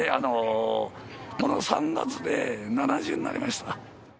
この３月で７０になりました。